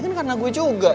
kan karena gue juga